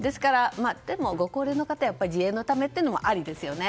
でもご高齢の方は自衛のためというのもありですよね。